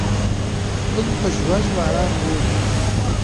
نن په ژوژ باران ووري